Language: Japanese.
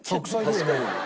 確かに。